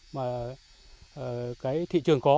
mà cái thị trường có